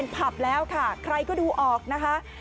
เขาดูออกนะคะ